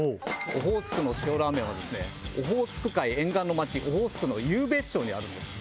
オホーツクの塩ラーメンはですねオホーツク海沿岸の町オホーツクの湧別町にあるんです。